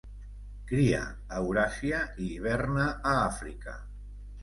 Cria a Euràsia i hiverna a Àfrica.